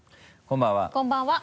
こんばんは。